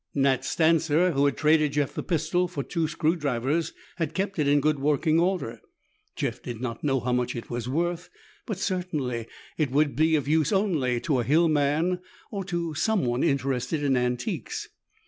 Nat Stancer, who had traded Jeff the pistol for two screwdrivers, had kept it in good working order. Jeff did not know how much it was worth, but certainly it would be of use only to a hill man or to someone interested in antiques.